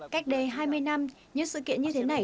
cách đây hai mươi năm những sự kiện như thế này